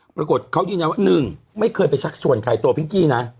ปรากฏเขายืนยันว่าหนึ่งไม่เคยไปชักชวนใครตัวพิงกี้นะ